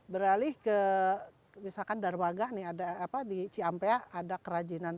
beralih ke misalkan darwaga nih di ciampea ada kerajinan